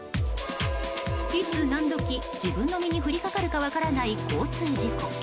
いつ何時自分の身に降りかかるか分からない交通事故。